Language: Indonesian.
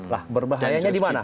lah berbahayanya di mana